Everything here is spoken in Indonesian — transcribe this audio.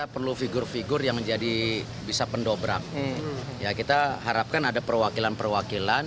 perlu figur figur yang menjadi bisa pendobrak ya kita harapkan ada perwakilan perwakilan